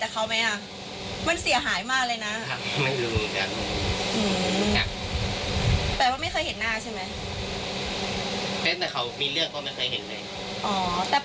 แต่ปกติเขาก็เข้าออกประจำใช่ไหมคะ